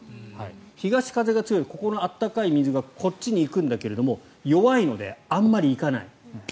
東風が強いと、ここの暖かい水がこっちに行くんだけど弱いので、あんまりいかない。